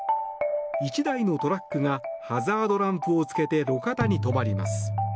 １台のトラックがハザードランプをつけて路肩に止まります。